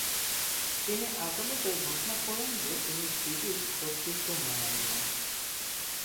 তিনি আদালতে ঘোষণা করেন যে তিনি ব্রিটিশ কর্তৃত্ব মানেন না।